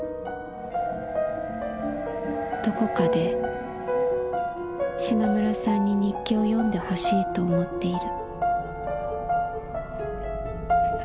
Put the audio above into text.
「どこかで島村さんに日記を読んでほしいと思っている」。